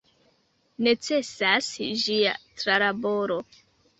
Necesas ĝia tralaboro.